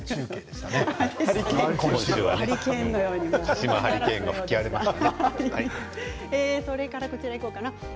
鹿島ハリケーンが吹き荒れました。